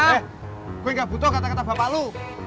eh gue gak butuh kata kata bapak lu